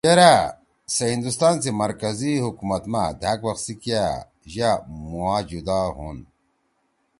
یرأ سے ہندوستان سی مرکزی حکومت ما دھأک وَخ سی کیا یا مُوا جُدا ہون۔